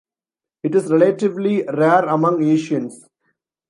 It is relatively rare among Asians.